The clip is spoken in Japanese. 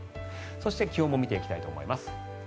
そして気温も見ていきたいと思います。